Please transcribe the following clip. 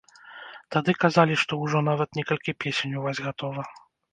Тады казалі, што ўжо, нават, некалькі песень у вас гатова.